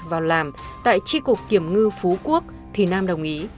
vào làm tại tri cục kiểm ngư phú quốc thì nam đồng ý